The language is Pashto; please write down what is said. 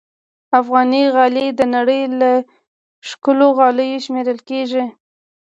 افغاني غالۍ د نړۍ له ښکلو غالیو شمېرل کېږي.